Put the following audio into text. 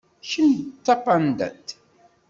Kemm d tapandat.